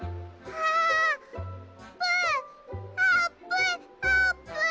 あーぷん！